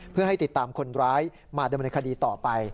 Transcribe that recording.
เพื่อให้ติดตามคนร้ายมาดำเนินคดีต่อไป